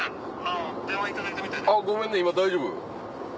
ごめんね今大丈夫？